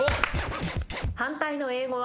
反対の英語は？